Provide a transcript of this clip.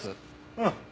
うん。